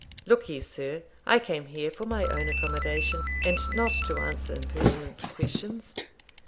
'Look ye, sir; I came here for my own accommodation, and not to answer impertinent questions.